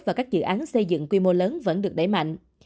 và các dự án xây dựng quy mô lớn vẫn được đẩy mạnh